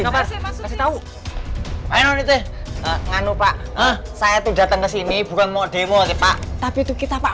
ngapain pasti tahu enggak lupa saya tuh datang ke sini bukan mau demo kita tapi itu kita pak